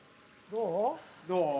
どう？